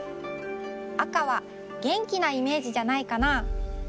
赤はげんきなイメージじゃないかな？